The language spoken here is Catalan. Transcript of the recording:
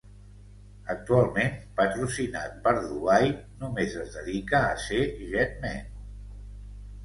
Actualment, patrocinat per Dubai, només es dedica a ser Jet Man.